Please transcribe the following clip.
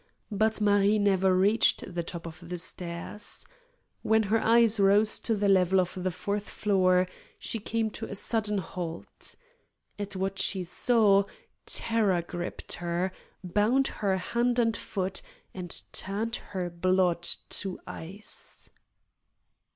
But Marie never reached the top of the stairs. When her eyes rose to the level of the fourth floor she came to a sudden halt. At what she saw terror gripped her, bound her hand and foot, and turned her blood to ice.